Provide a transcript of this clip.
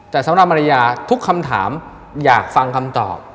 แต่สำหรับมารยาทุกคำถามอยากฟังคำตอบ